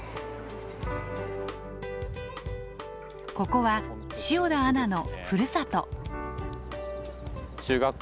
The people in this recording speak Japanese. ここは塩田アナのふるさと。